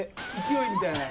勢いみたいな。